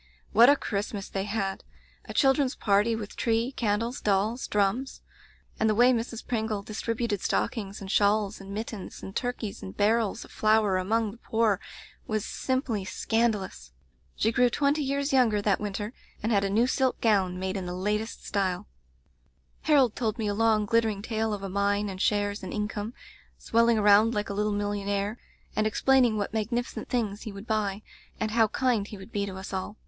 What a Christmas they had! A children's party, with tree, candles, dolls, drums; and the way Mrs. Pringle distributed stockings and shawls and mittens and turkeys and barrels of flour among the poor was simply scan dalous! She grew twenty years younger that Digitized by LjOOQ IC Interventions winter, and had a new silk gown, made in the latest style. "Harold told me a long, glittering tale of a mine and shares and income, swelling around like a little millionaire, and explain ing what magnificent things he would buy, and how kind he would be to us all.